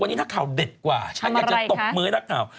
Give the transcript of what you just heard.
วันนี้นักข่าวเด็ดกว่าฉันอยากจะตบมือให้นักข่าว